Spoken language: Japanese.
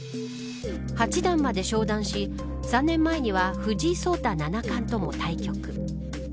八段まで昇段し３年前には藤井聡太七冠とも対局。